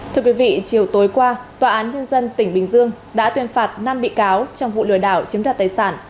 thưa quý vị chiều tối qua tòa án nhân dân tỉnh bình dương đã tuyên phạt năm bị cáo trong vụ lừa đảo chiếm đoạt tài sản